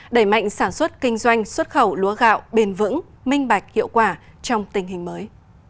đẩy mạnh sản xuất kinh doanh xuất khẩu lúa gạo bền vững minh bạch hiệu quả trong tình hình mới